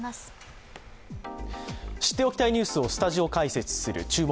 知っておきたいニュースをスタジオ解説する「注目！